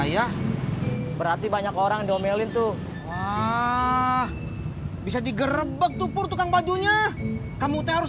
ya berarti banyak orang diomelin tuh ah bisa digerebek tuh pur tukang bajunya kamu teh harus